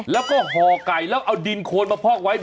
แล้วก็ห่อไก่แล้วเอาดินโคนมาพอกไว้